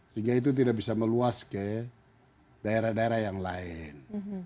sehingga itu tidak bisa meluas ke daerah daerah yang lain